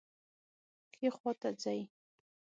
ښي خواته ځئ